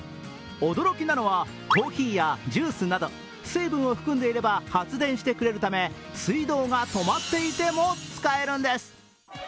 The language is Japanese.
驚きなのは、コーヒーやジュースなど水分を含んでいれば発電してくれるため水道が止まっていても使えるんです。